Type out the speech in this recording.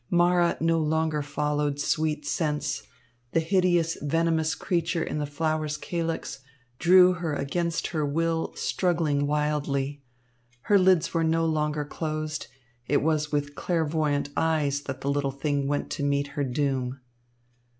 Mara no longer followed sweet scents. The hideous venomous creature in the flower's calyx drew her against her will, struggling wildly. Her lids were no longer closed. It was with clairvoyant eyes that the little thing went to meet her doom.